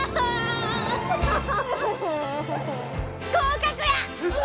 合格や！